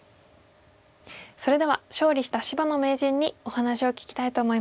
それでは勝利した芝野名人にお話を聞きたいと思います。